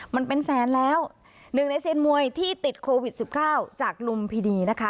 มันเป็นแสนแล้วหนึ่งในเซียนมวยที่ติดโควิดสิบเก้าจากลุมพินีนะคะ